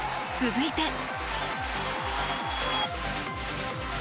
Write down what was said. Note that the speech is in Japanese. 続いて。